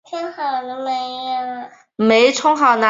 越南语的声调还存在明显的地区差异。